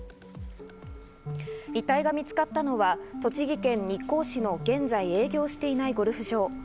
遺体が見つかったのは栃木県日光市の現在営業していないゴルフ場。